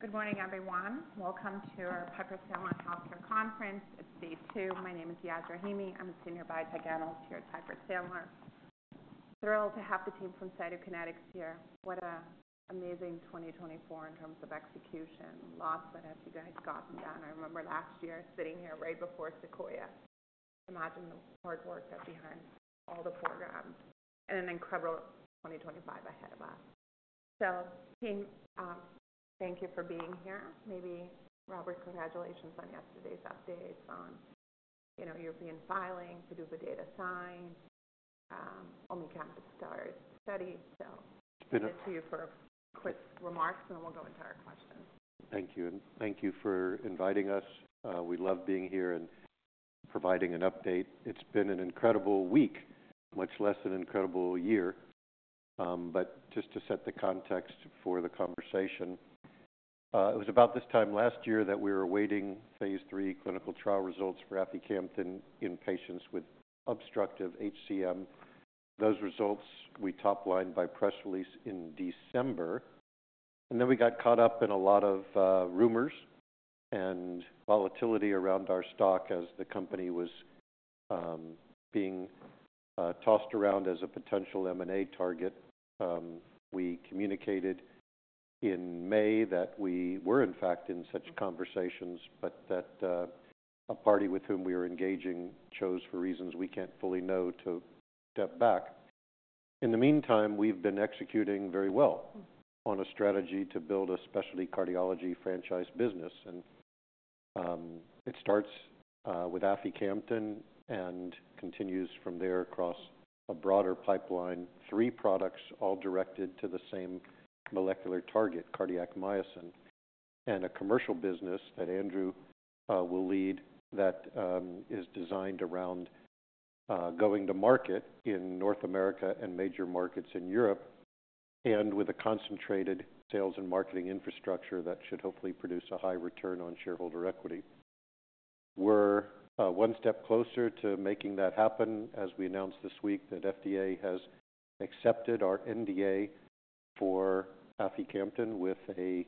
Good morning, everyone. Welcome to our Piper Sandler Healthcare Conference. It's day two. My name is Yaz Rahimi. I'm a Senior Biotech Analyst here at Piper Sandler. Thrilled to have the team from Cytokinetics here. What an amazing 2024 in terms of execution and lots that has you guys gotten done. I remember last year sitting here right before SEQUOIA. Imagine the hard work that's behind all the programs and an incredible 2025 ahead of us. So team, thank you for being here. Maybe, Robert, congratulations on yesterday's updates on, you know, European filing, PDUFA date assigned, omecamtiv mecarbil study, so. It's been. Give it to you for quick remarks, and then we'll go into our questions. Thank you. And thank you for inviting us. We love being here and providing an update. It's been an incredible week, much less an incredible year. But just to set the context for the conversation, it was about this time last year that we were awaiting phase III clinical trial results for aficamten in patients with obstructive HCM. Those results we top-lined by press release in December. And then we got caught up in a lot of rumors and volatility around our stock as the company was being tossed around as a potential M&A target. We communicated in May that we were, in fact, in such conversations, but that a party with whom we were engaging chose, for reasons we can't fully know, to step back. In the meantime, we've been executing very well on a strategy to build a specialty cardiology franchise business. And it starts with aficamten and continues from there across a broader pipeline, three products all directed to the same molecular target, cardiac myosin. And a commercial business that Andrew will lead that is designed around going to market in North America and major markets in Europe and with a concentrated sales and marketing infrastructure that should hopefully produce a high return on shareholder equity. We're one step closer to making that happen as we announced this week that FDA has accepted our NDA for aficamten with a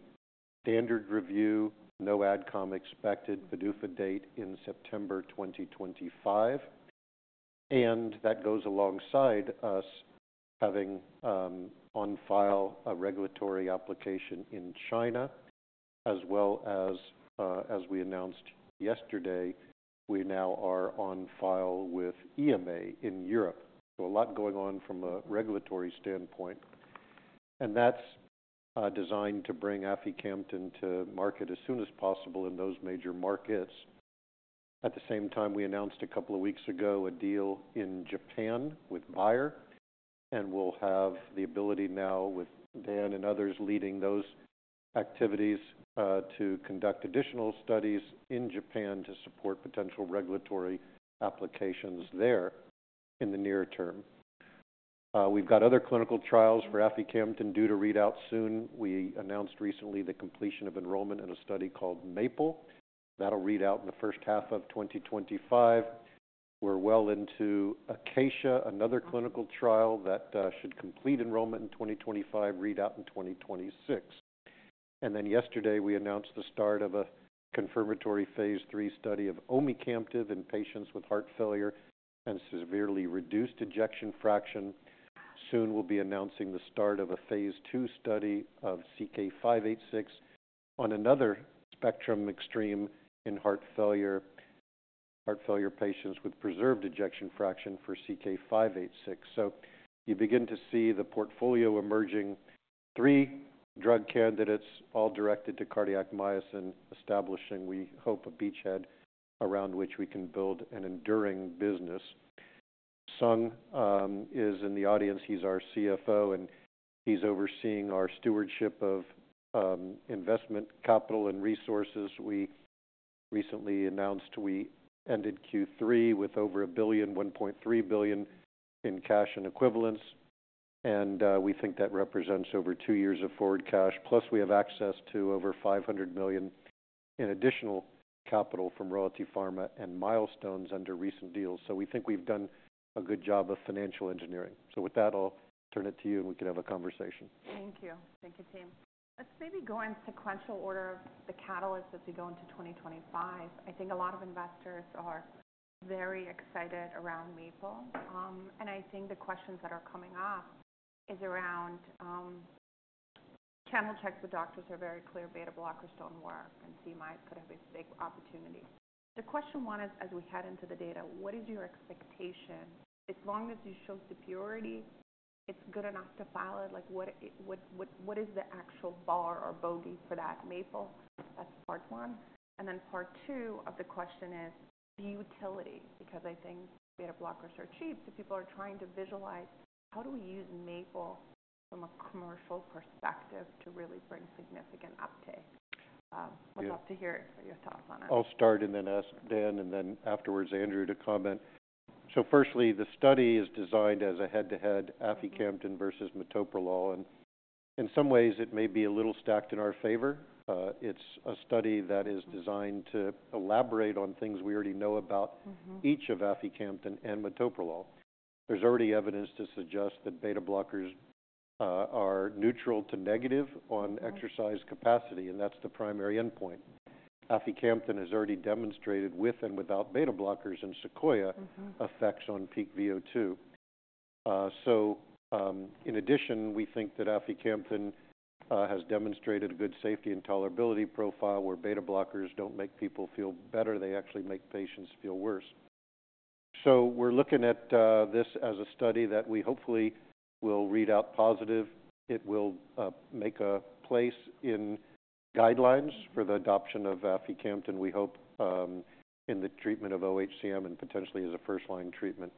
standard review, no AdCom expected, PDUFA date in September 2025. And that goes alongside us having on file a regulatory application in China, as well as, as we announced yesterday, we now are on file with EMA in Europe. So a lot going on from a regulatory standpoint. That's designed to bring aficamten to market as soon as possible in those major markets. At the same time, we announced a couple of weeks ago a deal in Japan with Bayer, and we'll have the ability now with Dan and others leading those activities, to conduct additional studies in Japan to support potential regulatory applications there in the near term. We've got other clinical trials for aficamten due to read out soon. We announced recently the completion of enrollment in a study called MAPLE. That'll read out in the first half of 2025. We're well into ACACIA, another clinical trial that should complete enrollment in 2025, read out in 2026. Then yesterday, we announced the start of a confirmatory phase III study of omecamtiv mecarbil in patients with heart failure and severely reduced ejection fraction. Soon we'll be announcing the start of a phase II study of CK-586 on another spectrum extreme in heart failure, heart failure patients with preserved ejection fraction for CK-586. So you begin to see the portfolio emerging. Three drug candidates all directed to cardiac myosin establishing, we hope, a beachhead around which we can build an enduring business. Sung is in the audience. He's our CFO, and he's overseeing our stewardship of investment capital and resources. We recently announced we ended Q3 with over a billion, $1.3 billion in cash and equivalents. And we think that represents over two years of forward cash. Plus, we have access to over $500 million in additional capital from Royalty Pharma and milestones under recent deals. So we think we've done a good job of financial engineering. So with that, I'll turn it to you, and we can have a conversation. Thank you. Thank you, team. Let's maybe go in sequential order of the catalysts as we go into 2025. I think a lot of investors are very excited around MAPLE. And I think the questions that are coming up is around, channel checks with doctors are very clear. Beta blockers don't work, and CMI could have a big opportunity. The question one is, as we head into the data, what is your expectation? As long as you show superiority, it's good enough to follow. Like, what is the actual bar or bogey for that MAPLE? That's part one. And then part two of the question is the utility, because I think beta blockers are cheap. So people are trying to visualize how do we use MAPLE from a commercial perspective to really bring significant uptake. We'd love to hear your thoughts on it. I'll start and then ask Dan, and then afterwards Andrew to comment. So firstly, the study is designed as a head-to-head aficamten versus metoprolol. And in some ways, it may be a little stacked in our favor. It's a study that is designed to elaborate on things we already know about each of aficamten and metoprolol. There's already evidence to suggest that beta blockers are neutral to negative on exercise capacity, and that's the primary endpoint. aficamten has already demonstrated with and without beta blockers and Sequoia effects on peak VO2. So, in addition, we think that aficamten has demonstrated a good safety and tolerability profile where beta blockers don't make people feel better. They actually make patients feel worse. So we're looking at this as a study that we hopefully will read out positive. It will make a place in guidelines for the adoption of aficamten, we hope, in the treatment of OHCM and potentially as a first-line treatment.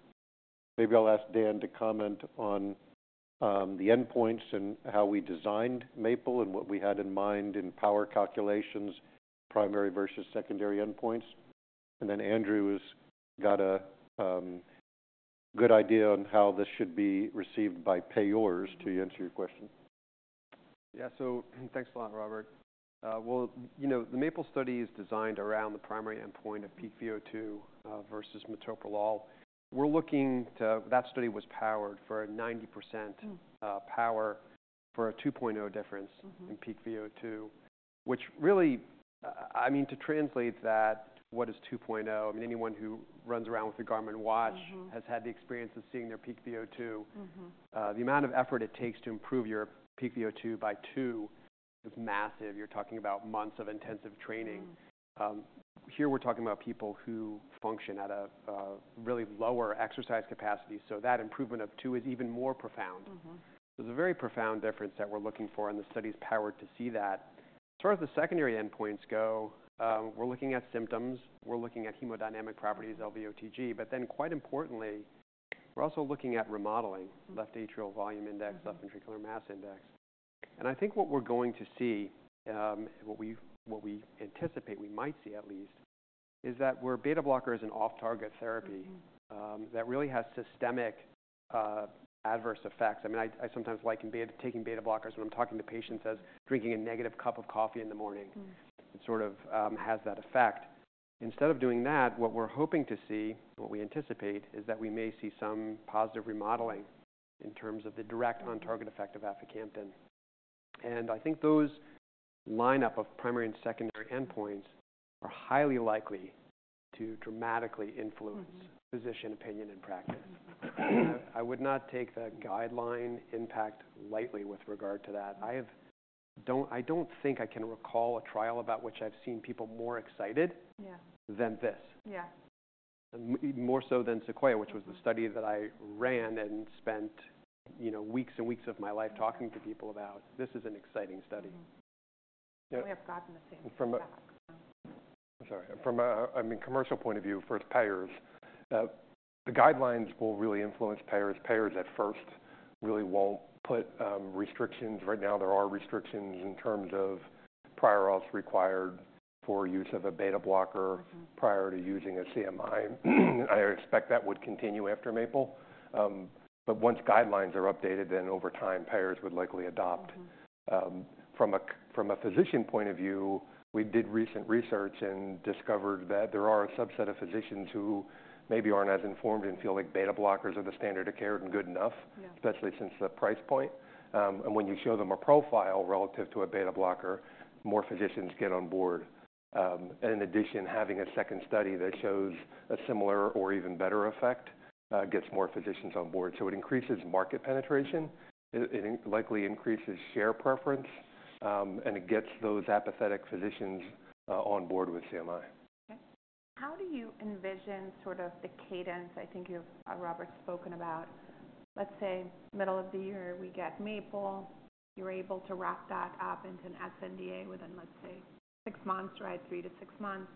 Maybe I'll ask Dan to comment on the endpoints and how we designed MAPLE-HCM and what we had in mind in power calculations, primary versus secondary endpoints, and then Andrew has got a good idea on how this should be received by payors to answer your question. Yeah. So thanks a lot, Robert. Well, you know, the MAPLE-HCM study is designed around the primary endpoint of peak VO2, versus metoprolol. We're looking to that study was powered for a 90% power for a 2.0 difference in peak VO2, which really, I mean, to translate that, what is 2.0? I mean, anyone who runs around with a Garmin watch has had the experience of seeing their peak VO2. The amount of effort it takes to improve your peak VO2 by two is massive. You're talking about months of intensive training. Here we're talking about people who function at a really lower exercise capacity. So that improvement of two is even more profound. So it's a very profound difference that we're looking for, and the study's powered to see that. As far as the secondary endpoints go, we're looking at symptoms. We're looking at hemodynamic properties, LVOTG. But then, quite importantly, we're also looking at remodeling, left atrial volume index, left ventricular mass index. And I think what we're going to see, what we, what we anticipate we might see at least, is that where beta blocker is an off-target therapy, that really has systemic, adverse effects. I mean, I, I sometimes like taking beta blockers when I'm talking to patients as drinking a negative cup of coffee in the morning. It sort of, has that effect. Instead of doing that, what we're hoping to see, what we anticipate, is that we may see some positive remodeling in terms of the direct on-target effect of aficamten. And I think those lineup of primary and secondary endpoints are highly likely to dramatically influence position, opinion, and practice. I would not take the guideline impact lightly with regard to that. I don't think I can recall a trial about which I've seen people more excited than this. Yeah. More so than Sequoia, which was the study that I ran and spent, you know, weeks and weeks of my life talking to people about. This is an exciting study. We have gotten the same feedback. I'm sorry. From a—I mean, commercial point of view for payers, the guidelines will really influence payers. Payers at first really won't put restrictions. Right now, there are restrictions in terms of prior auth required for use of a beta blocker prior to using a CMI. I expect that would continue after MAPLE. But once guidelines are updated, then over time, payers would likely adopt. From a physician point of view, we did recent research and discovered that there are a subset of physicians who maybe aren't as informed and feel like beta blockers are the standard of care and good enough, especially since the price point. And when you show them a profile relative to a beta blocker, more physicians get on board. And in addition, having a second study that shows a similar or even better effect, gets more physicians on board. It increases market penetration. It likely increases share preference, and it gets those apathetic physicians on board with CMI. Okay. How do you envision sort of the cadence? I think you've, Robert, spoken about, let's say, middle of the year, we get MAPLE-HCM. You're able to wrap that up into an sNDA within, let's say, six months, right? 3-6 months.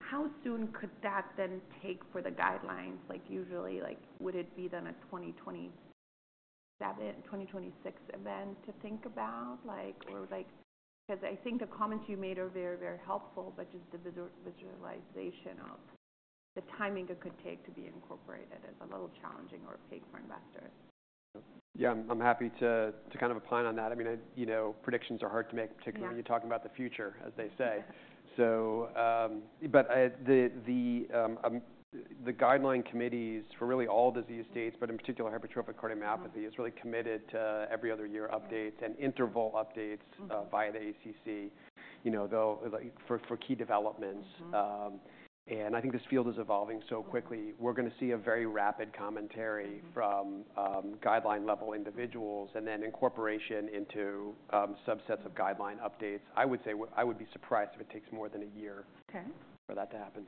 How soon could that then take for the guidelines? Like, usually, like, would it be then a 2027, 2026 event to think about? Like, or, like, because I think the comments you made are very, very helpful, but just the visualization of the timing it could take to be incorporated is a little challenging or opaque for investors. Yeah. I'm happy to kind of opine on that. I mean, you know, predictions are hard to make, particularly when you're talking about the future, as they say. So, but, the guideline committees for really all disease states, but in particular, hypertrophic cardiomyopathy, is really committed to every other year updates and interval updates, via the ACC, you know, though, like, for key developments, and I think this field is evolving so quickly. We're going to see a very rapid commentary from guideline-level individuals and then incorporation into subsets of guideline updates. I would say I would be surprised if it takes more than a year for that to happen.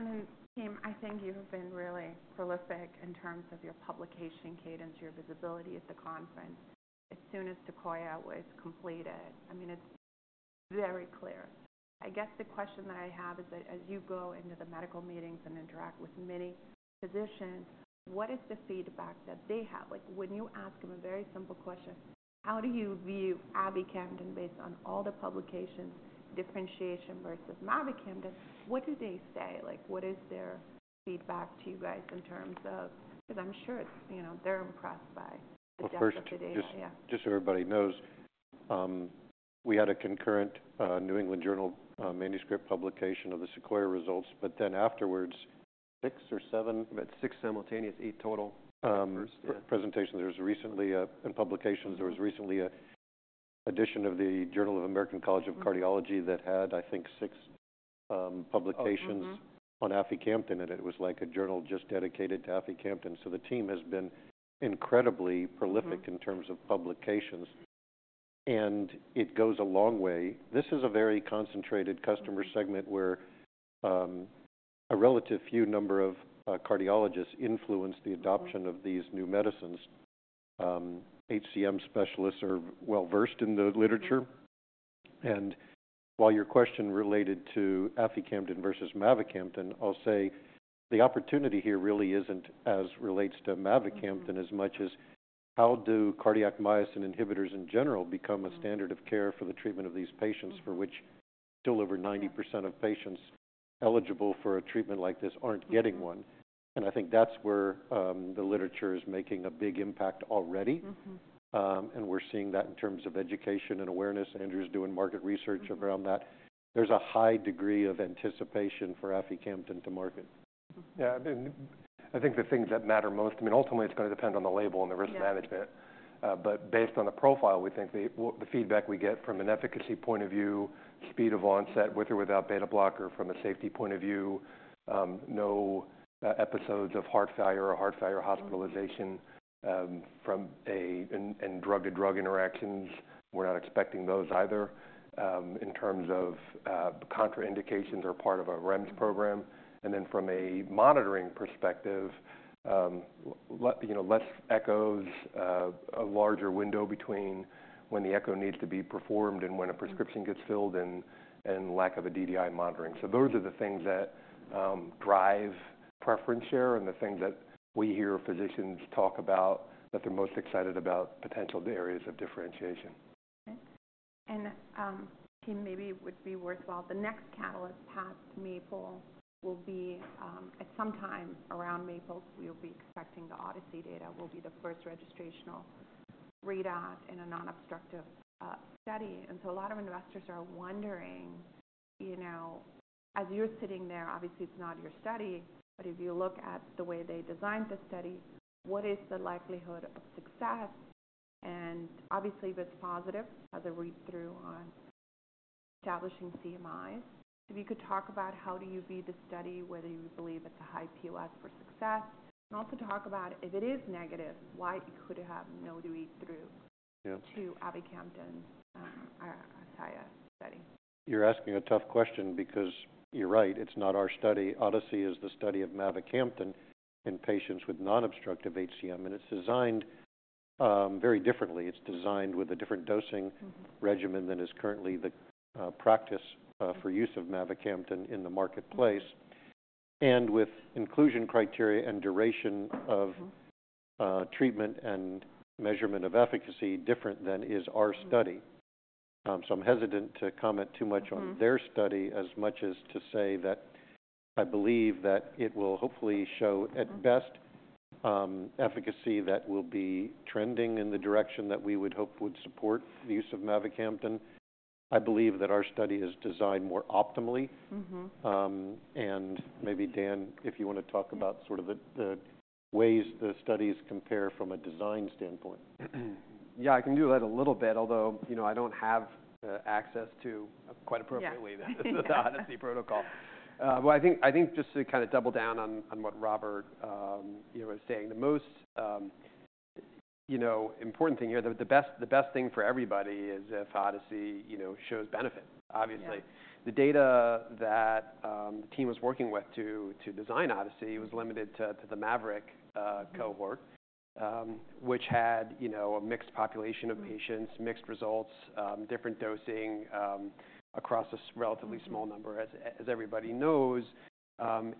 Okay. And then, team, I think you have been really prolific in terms of your publication cadence, your visibility at the conference. As soon as Sequoia was completed, I mean, it's very clear. I guess the question that I have is that as you go into the medical meetings and interact with many physicians, what is the feedback that they have? Like, when you ask them a very simple question, how do you view aficamten based on all the publications, differentiation versus mavacamten? What do they say? Like, what is their feedback to you guys in terms of, because I'm sure it's, you know, they're impressed by the depth of the data. Yeah. Just so everybody knows, we had a concurrent New England Journal manuscript publication of the SEQUOIA results, but then afterwards, six or seven. About six simultaneous, eight total. Presentations. There was recently, in publications, an edition of the Journal of the American College of Cardiology that had, I think, six publications on aficamten, and it was like a journal just dedicated to aficamten. So the team has been incredibly prolific in terms of publications, and it goes a long way. This is a very concentrated customer segment where a relative few number of cardiologists influence the adoption of these new medicines. HCM specialists are well versed in the literature. While your question related to aficamten versus mavacamten, I'll say the opportunity here really isn't as relates to mavacamten as much as how do cardiac myosin inhibitors in general become a standard of care for the treatment of these patients for which still over 90% of patients eligible for a treatment like this aren't getting one. I think that's where the literature is making a big impact already. We're seeing that in terms of education and awareness. Andrew's doing market research around that. There's a high degree of anticipation for aficamten to market. Yeah. I mean, I think the things that matter most, I mean, ultimately, it's going to depend on the label and the risk management. But based on the profile, we think the, the feedback we get from an efficacy point of view, speed of onset with or without beta blocker from a safety point of view, no episodes of heart failure or heart failure hospitalization, from a, and, and drug-to-drug interactions. We're not expecting those either, in terms of, contraindications or part of a REMS program. And then from a monitoring perspective, let, you know, less echoes, a larger window between when the echo needs to be performed and when a prescription gets filled and, and lack of a DDI monitoring. So those are the things that, drive preference share and the things that we hear physicians talk about that they're most excited about potential areas of differentiation. Okay. And, team, maybe it would be worthwhile. The next catalyst path to MAPLE-HCM will be, at some time around MAPLE-HCM, we'll be expecting the ODYSSEY-HCM data will be the first registrational readout in a non-obstructive study. And so a lot of investors are wondering, you know, as you're sitting there, obviously, it's not your study, but if you look at the way they designed the study, what is the likelihood of success? And obviously, if it's positive, has a read-through on establishing CMIs. If you could talk about how do you view the study, whether you believe it's a high POS for success, and also talk about if it is negative, why it could have no read-through to aficamten, SEQUOIA-HCM study. You're asking a tough question because you're right. It's not our study. ODYSSEY-HCM is the study of mavacamten in patients with non-obstructive HCM, and it's designed very differently. It's designed with a different dosing regimen than is currently the practice for use of mavacamten in the marketplace and with inclusion criteria and duration of treatment and measurement of efficacy different than is our study. So I'm hesitant to comment too much on their study as much as to say that I believe that it will hopefully show at best efficacy that will be trending in the direction that we would hope would support the use of mavacamten. I believe that our study is designed more optimally. And maybe Dan, if you want to talk about sort of the ways the studies compare from a design standpoint. Yeah. I can do that a little bit, although, you know, I don't have access to quite appropriately the ODYSSEY protocol. I think just to kind of double down on what Robert, you know, is saying, the most, you know, important thing here, the best thing for everybody is if ODYSSEY, you know, shows benefit, obviously. The data that the team was working with to design ODYSSEY was limited to the MAVERICK cohort, which had, you know, a mixed population of patients, mixed results, different dosing, across a relatively small number, as everybody knows.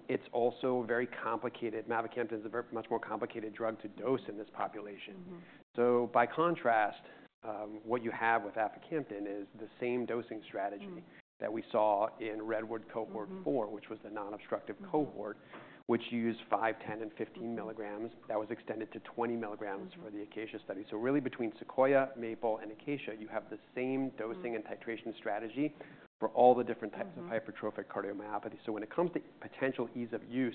It's also very complicated. Mavacamten is a much more complicated drug to dose in this population. By contrast, what you have with aficamten is the same dosing strategy that we saw in REDWOOD cohort four, which was the non-obstructive cohort, which used five, 10, and 15 milligrams that was extended to 20 milligrams for the ACACIA-HCM study. Really, between SEQUOIA-HCM, MAPLE-HCM, and ACACIA-HCM, you have the same dosing and titration strategy for all the different types of hypertrophic cardiomyopathy. When it comes to potential ease of use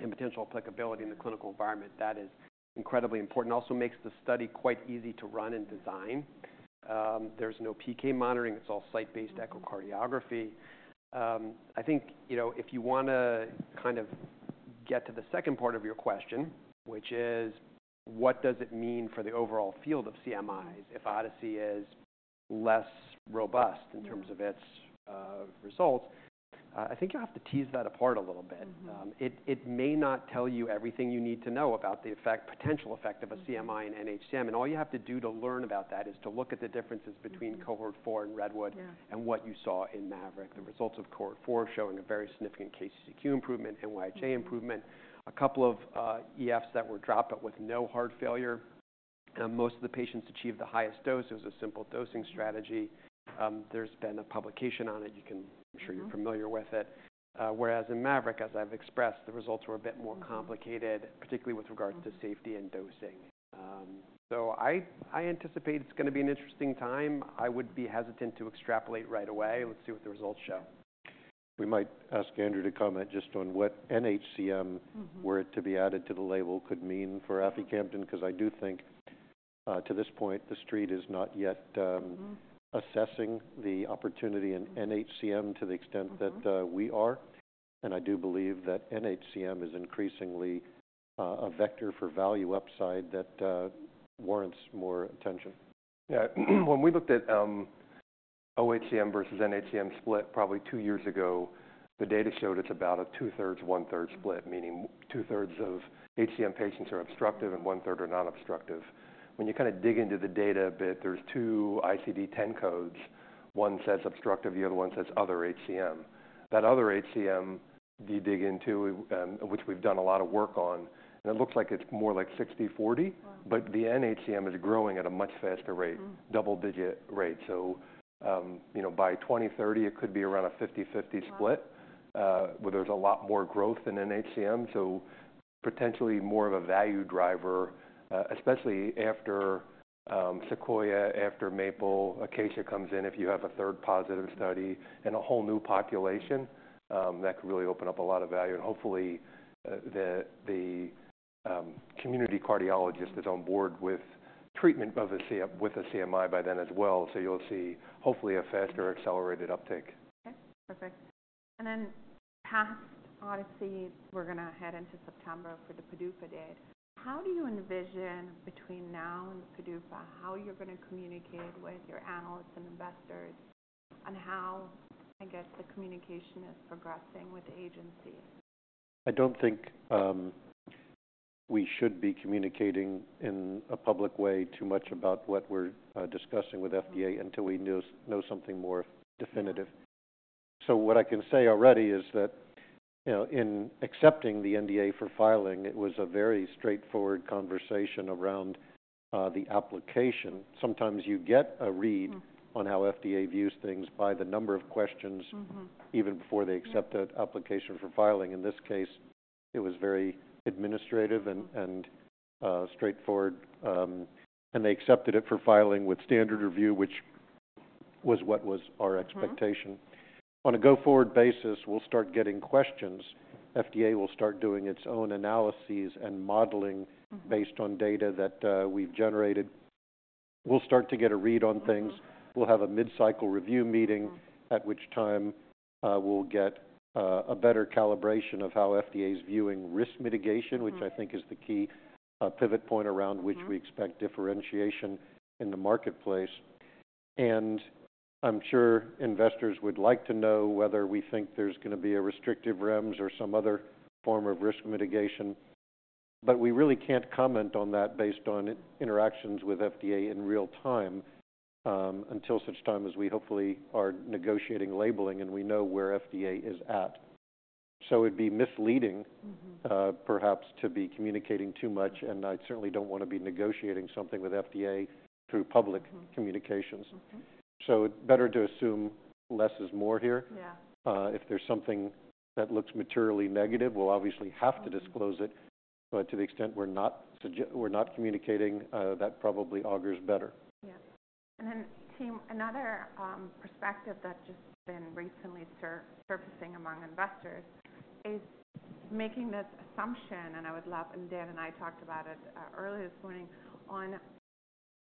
and potential applicability in the clinical environment, that is incredibly important. Also makes the study quite easy to run and design. There's no PK monitoring. It's all site-based echocardiography. I think, you know, if you want to kind of get to the second part of your question, which is what does it mean for the overall field of CMIs if ODYSSEY is less robust in terms of its, results, I think you have to tease that apart a little bit. It may not tell you everything you need to know about the effect, potential effect of a CMI and NHCM. And all you have to do to learn about that is to look at the differences between cohort four and REDWOOD and what you saw in MAVERICK, the results of cohort four showing a very significant KCCQ improvement, NYHA improvement, a couple of, EFs that were dropped but with no heart failure. Most of the patients achieved the highest dose. It was a simple dosing strategy. There's been a publication on it. You can, I'm sure you're familiar with it. Whereas in MAVERICK, as I've expressed, the results were a bit more complicated, particularly with regards to safety and dosing, so I, I anticipate it's going to be an interesting time. I would be hesitant to extrapolate right away. Let's see what the results show. We might ask Andrew to comment just on what NHCM were it to be added to the label could mean for aficamten, because I do think, to this point, the street is not yet, assessing the opportunity in NHCM to the extent that, we are. And I do believe that NHCM is increasingly, a vector for value upside that, warrants more attention. Yeah. When we looked at OHCM versus NHCM split probably two years ago, the data showed it's about a two-thirds, one-third split, meaning two-thirds of HCM patients are obstructive and one-third are non-obstructive. When you kind of dig into the data a bit, there's two ICD-10 codes. One says obstructive. The other one says other HCM. That other HCM you dig into, which we've done a lot of work on, and it looks like it's more like 60/40, but the NHCM is growing at a much faster rate, double-digit rate. So, you know, by 2030, it could be around a 50/50 split, where there's a lot more growth in NHCM. So potentially more of a value driver, especially after SEQUOIA, after MAPLE, ACACIA comes in, if you have a third positive study and a whole new population, that could really open up a lot of value. Hopefully, the community cardiologist is on board with treatment of an HCM with a CMI by then as well. You'll see hopefully a faster accelerated uptake. Okay. Perfect. And then past ODYSSEY, we're going to head into September for the PDUFA date. How do you envision between now and PDUFA, how you're going to communicate with your analysts and investors and how, I guess, the communication is progressing with the agency? I don't think we should be communicating in a public way too much about what we're discussing with FDA until we know something more definitive. So what I can say already is that, you know, in accepting the NDA for filing, it was a very straightforward conversation around the application. Sometimes you get a read on how FDA views things by the number of questions even before they accept the application for filing. In this case, it was very administrative and straightforward, and they accepted it for filing with standard review, which was what was our expectation. On a go-forward basis, we'll start getting questions. FDA will start doing its own analyses and modeling based on data that we've generated. We'll start to get a read on things. We'll have a mid-cycle review meeting at which time, we'll get, a better calibration of how FDA is viewing risk mitigation, which I think is the key, pivot point around which we expect differentiation in the marketplace. And I'm sure investors would like to know whether we think there's going to be a restrictive REMS or some other form of risk mitigation, but we really can't comment on that based on interactions with FDA in real time, until such time as we hopefully are negotiating labeling and we know where FDA is at. So it'd be misleading, perhaps to be communicating too much, and I certainly don't want to be negotiating something with FDA through public communications. So it's better to assume less is more here. If there's something that looks materially negative, we'll obviously have to disclose it, but to the extent we're not, we're not communicating, that probably augurs better. Yeah. And then, team, another perspective that just been recently surfacing among investors is making this assumption, and I would love and Dan and I talked about it early this morning,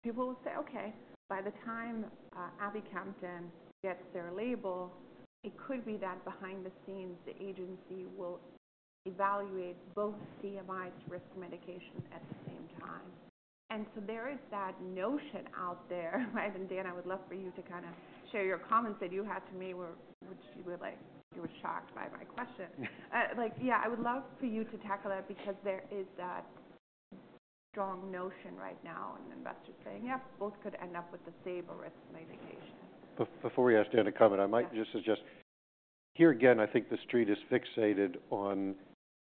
people will say, "Okay, by the time aficamten gets their label, it could be that behind the scenes, the agency will evaluate both CMIs risk mitigation at the same time." And so there is that notion out there, right? And Dan, I would love for you to kind of share your comments that you had to me where you were like you were shocked by my question. Like, yeah, I would love for you to tackle that because there is that strong notion right now and investors saying, "Yeah, both could end up with the same risk mitigation. Before we ask Dan to comment, I might just suggest here again. I think the street is fixated on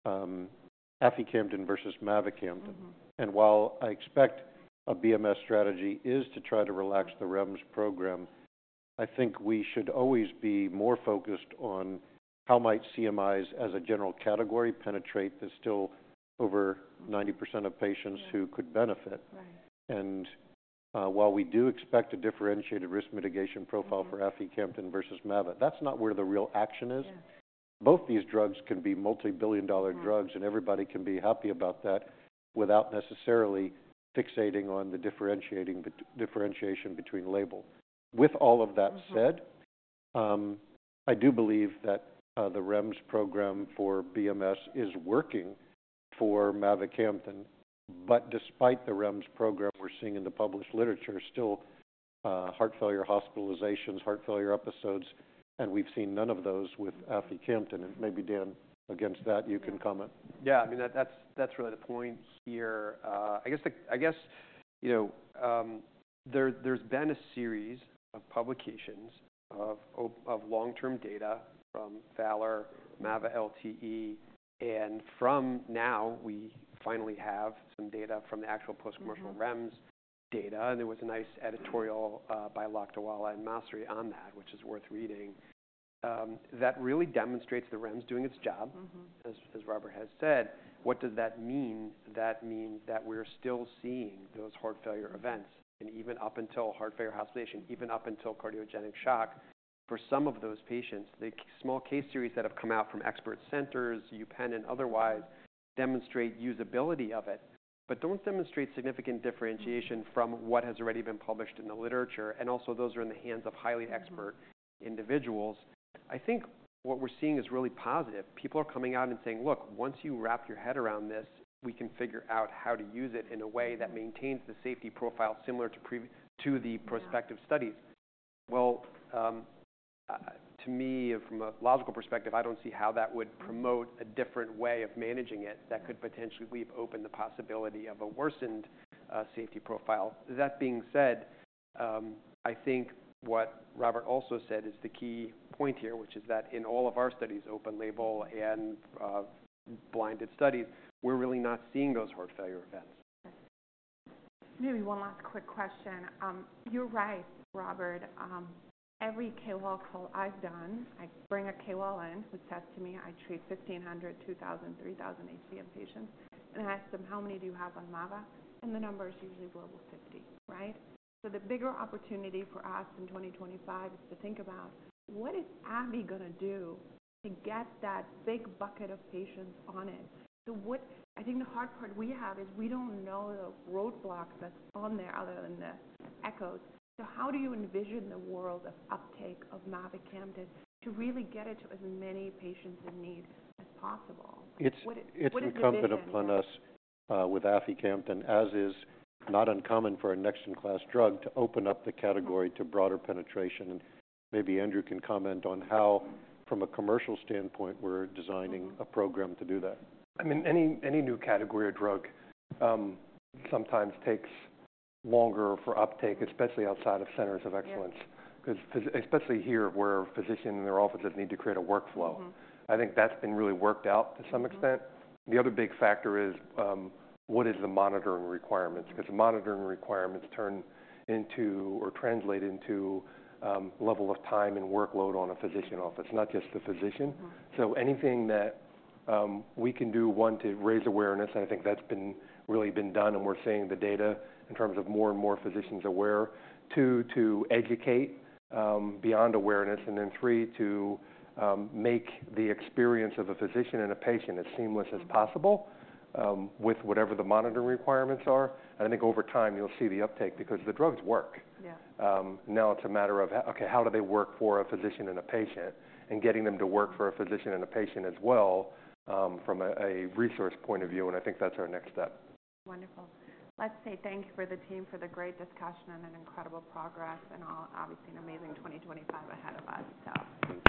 aficamten versus mavacamten. And while I expect a BMS strategy is to try to relax the REMS program, I think we should always be more focused on how might CMIs as a general category penetrate the still over 90% of patients who could benefit. And while we do expect a differentiated risk mitigation profile for aficamten versus mavacamten, that's not where the real action is. Both these drugs can be multi-billion dollar drugs, and everybody can be happy about that without necessarily fixating on the differentiating differentiation between label. With all of that said, I do believe that the REMS program for BMS is working for mavacamten, but despite the REMS program we're seeing in the published literature still heart failure hospitalizations, heart failure episodes, and we've seen none of those with aficamten. And maybe Dan against that you can comment. Yeah. I mean, that's really the point here. I guess you know there's been a series of publications of long-term data from VALOR-HCM, mavacamten LTE, and from now we finally have some data from the actual post-commercial REMS data. And there was a nice editorial by Lakdawala and Masri on that, which is worth reading that really demonstrates the REMS doing its job, as Robert has said. What does that mean? That means that we're still seeing those heart failure events and even up until heart failure hospitalization, even up until cardiogenic shock for some of those patients. The small case series that have come out from expert centers, UPenn and otherwise, demonstrate usability of it, but don't demonstrate significant differentiation from what has already been published in the literature. And also, those are in the hands of highly expert individuals. I think what we're seeing is really positive. People are coming out and saying, "Look, once you wrap your head around this, we can figure out how to use it in a way that maintains the safety profile similar to prior to the prospective studies." Well, to me, from a logical perspective, I don't see how that would promote a different way of managing it that could potentially leave open the possibility of a worsened safety profile. That being said, I think what Robert also said is the key point here, which is that in all of our studies, open-label and blinded studies, we're really not seeing those heart failure events. Maybe one last quick question. You're right, Robert. Every KOL call I've done, I bring a KOL in who says to me, "I treat 1,500, 2,000, 3,000 HCM patients," and I ask them, "How many do you have on mavacamten?" And the number is usually below 50, right? So the bigger opportunity for us in 2025 is to think about what is BMS going to do to get that big bucket of patients on it? So what I think the hard part we have is we don't know the roadblock that's on there other than the echoes. So how do you envision the world of uptake of mavacamten to really get it to as many patients in need as possible? It's become. What is the next? The comfort upon us, with aficamten, as is not uncommon for a next-in-class drug to open up the category to broader penetration. Maybe Andrew can comment on how, from a commercial standpoint, we're designing a program to do that. I mean, any new category of drug sometimes takes longer for uptake, especially outside of centers of excellence, because especially here where physicians in their offices need to create a workflow. I think that's been really worked out to some extent. The other big factor is, what is the monitoring requirements? Because the monitoring requirements turn into or translate into level of time and workload on a physician office, not just the physician. So anything that we can do, one, to raise awareness, and I think that's been really done, and we're seeing the data in terms of more and more physicians aware, two, to educate, beyond awareness, and then three, to make the experience of a physician and a patient as seamless as possible, with whatever the monitoring requirements are. And I think over time you'll see the uptake because the drugs work. Now it's a matter of, okay, how do they work for a physician and a patient and getting them to work for a physician and a patient as well, from a resource point of view. And I think that's our next step. Wonderful. Let's say thank you for the team for the great discussion and an incredible progress and all, obviously, an amazing 2025 ahead of us. So.